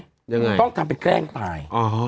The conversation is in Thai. ยังไงต้องทำเป็นแกล้งตายอ๋อ